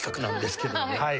はい。